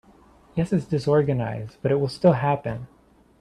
Yes, it’s disorganized but it will still happen.